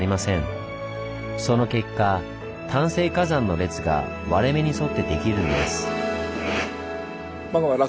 その結果単成火山の列が割れ目に沿ってできるんです。